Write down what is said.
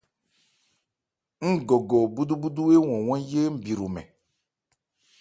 Ńgɔgɔ búdúbúdú éwan wán yé nbi hromɛn.